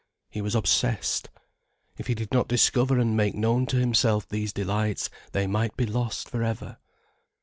He was obsessed. If he did not discover and make known to himself these delights, they might be lost for ever.